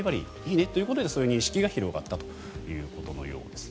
いいねということでそういう認識が広がったということのようです。